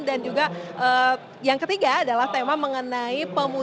dan juga yang ketiga adalah tema mengenai pemuda